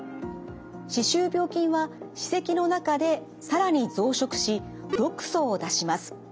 歯周病菌は歯石の中で更に増殖し毒素を出します。